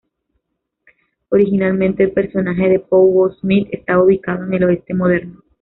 Originalmente, el personaje de Pow Wow Smith estaba ubicado en el oeste moderno.